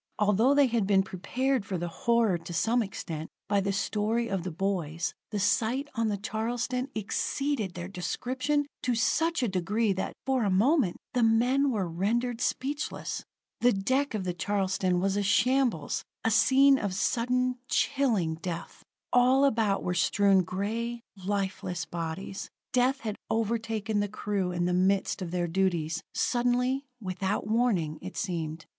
Although they had been prepared for the horror to some extent by the story of the boys, the sight on the Charleston exceeded their description to such a degree that, for the moment, the men were rendered speechless. The deck of the Charleston was a shambles a scene of sudden, chilling death. All about were strewn gray, lifeless bodies. Death had overtaken the crew in the midst of their duties, suddenly, without warning, it seemed.